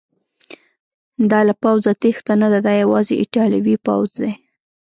دا له پوځه تیښته نه ده، دا یوازې ایټالوي پوځ دی.